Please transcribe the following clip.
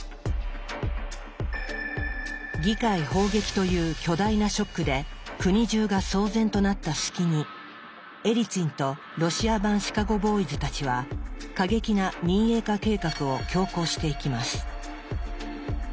議会砲撃という巨大なショックで国中が騒然となった隙にエリツィンとロシア版シカゴ・ボーイズたちは過激な民営化計画を強行していきます。